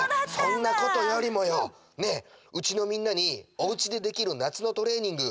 そんなことよりもよねえうちのみんなに「おうちでできる夏のトレーニング」